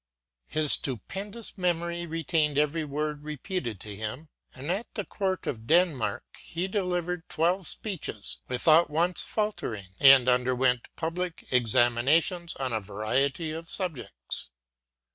His stupendous memory retained every word repeated to him ; and at the court of Denmark he delivered twelve speeches without once falter ing ; and underwent public examinations on a variety of subjects.